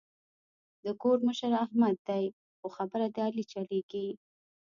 د کور مشر احمد دی خو خبره د علي چلېږي.